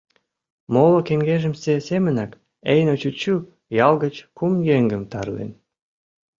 Моло кеҥежымсе семынак Эйно чӱчӱ ял гыч кум еҥым тарлен.